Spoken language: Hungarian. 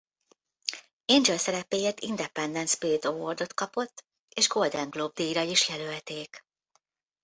Angel szerepéért Independent Spirit Award-ot kapott és Golden Globe-díjra is jelölték.